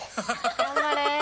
頑張れ。